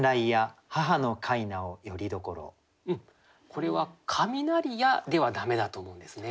これは「雷や」では駄目だと思うんですね。